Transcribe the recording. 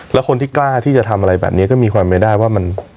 แล้วคนที่กล้าที่จะทำอะไรแบบนี้ก็มีความไม่ได้ว่ามัน